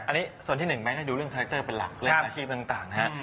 อันนี้ส่วนที่หนึ่งไหมถ้าดูเรื่องคาแคคเตอร์เป็นหลักเรื่องอาชีพต่างนะฮะ